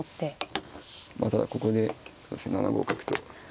またここで７五角と。